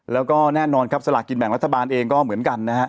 แล้วก็แน่นอนครับสลากกินแบ่งรัฐบาลเองก็เหมือนกันนะฮะ